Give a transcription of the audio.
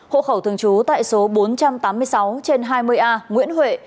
hộ khẩu thường trú tại số bốn trăm tám mươi sáu trên hai mươi a nguyễn huệ